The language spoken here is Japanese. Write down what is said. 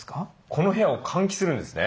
この部屋を換気するんですね。